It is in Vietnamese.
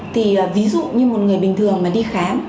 thì ví dụ như một người bình thường mà đi khám